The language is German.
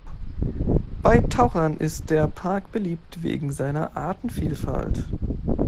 Bei Tauchern ist der Park beliebt wegen seiner Artenvielfalt.